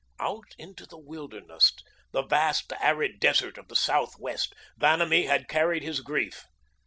Out into the wilderness, the vast arid desert of the Southwest, Vanamee had carried his grief.